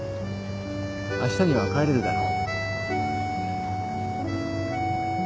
あしたには帰れるだろ？